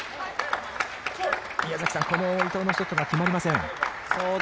宮崎さん、この伊藤のショットが決まりません。